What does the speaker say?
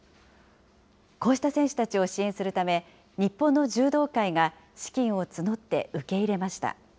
こうした選手たちを支援するため、日本の柔道界が資金を募って受け入れました。